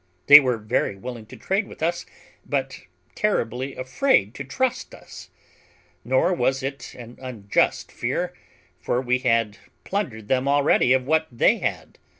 They were very willing to trade with us, but terribly afraid to trust us; nor was it an unjust fear, for we had plundered them already of what they had.